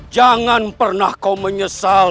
jangan pernah kau menyesal